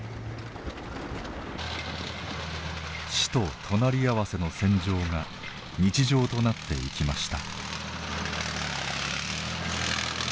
死と隣り合わせの戦場が日常となっていきました。